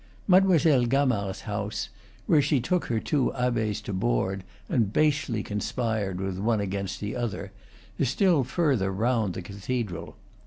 Mademoiselle Gamard's house, where she took her two abbes to board, and basely conspired with one against the other, is still further round the cathe dral.